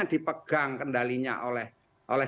dipegang kendalinya oleh